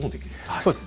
そうです。